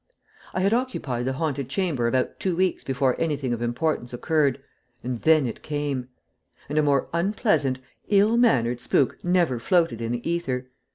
I had occupied the haunted chamber about two weeks before anything of importance occurred, and then it came and a more unpleasant, ill mannered spook never floated in the ether.